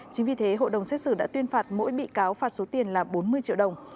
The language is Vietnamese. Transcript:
chính vì thế hội đồng xét xử đã tuyên phạt mỗi bị cáo phạt số tiền là bốn mươi triệu đồng